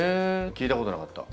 聞いたことなかった。